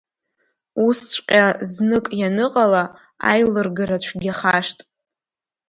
Усҵәҟьа знык ианыҟала, аилыргара цәгьахашт.